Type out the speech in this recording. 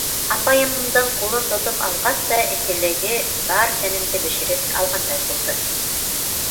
Апайымдың ҡулын тотоп алғас та эҫелеге бар тәнемде бешереп алғандай булды.